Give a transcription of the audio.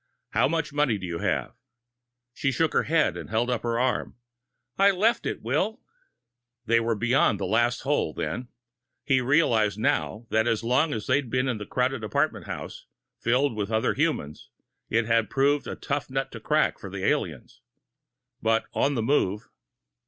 "How much money do you have?" She shook her head, and held up her arm. "I left it, Will." They were beyond the last hole, then. He realized now that as long as they'd been in a crowded apartment house, filled with other humans, it had proved a tough nut to crack for the aliens. But on the move....